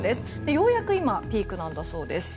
ようやく今、ピークなんだそうです。